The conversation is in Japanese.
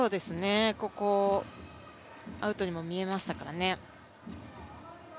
ここ、アウトにも見えましたからね。